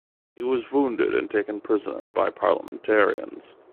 He was wounded and taken prisoner by the Parliamentarians.